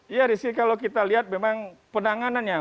iya rizky kalau kita lihat memang penanganannya